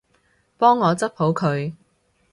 幫我執好佢